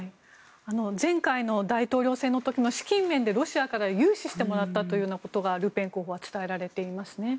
前回の大統領選の時資金面でロシアから融資してもらったということがルペン候補には伝えられていますね。